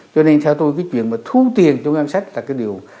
cho nên theo tôi cái chuyện mà thu tiền cho ngang sách là cái điều